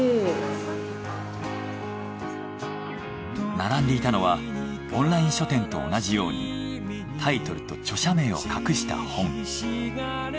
並んでいたのはオンライン書店と同じようにタイトルと著者名を隠した本。